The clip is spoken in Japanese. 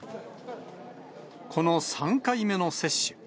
この３回目の接種。